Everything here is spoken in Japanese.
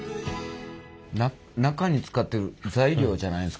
中に使ってる材料じゃないんですか？